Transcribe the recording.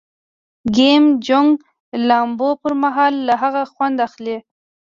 کیم جونګ د لامبو پر مهال له هغه خوند اخلي.